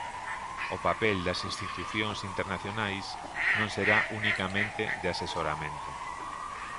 O papel das institucións internacionais non será unicamente de asesoramento.